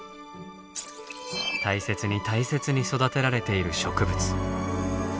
大切に大切に育てられている植物。